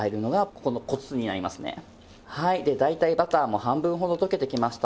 で大体バターも半分ほど溶けてきました。